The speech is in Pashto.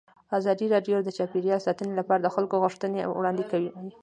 ازادي راډیو د چاپیریال ساتنه لپاره د خلکو غوښتنې وړاندې کړي.